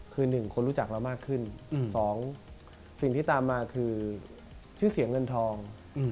คือ๑คนรู้จักเรามากขึ้น๒สิ่งที่ตามมาคือชื่อเสียงเงินทอง